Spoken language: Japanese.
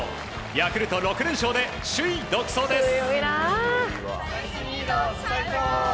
ヤクルト６連勝で首位独走です。